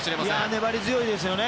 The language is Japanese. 粘り強いですよね。